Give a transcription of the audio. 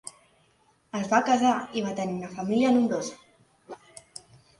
Es va casar i va tenir una família nombrosa.